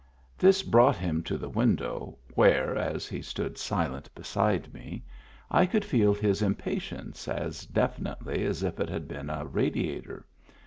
This brought him to the window, where, as he stood silent beside me, I could feel his impatience as definitely as if it had been a radiator.